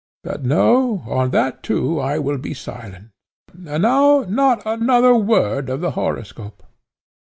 But no! on that too I will be silent; and now not another word of the horoscope.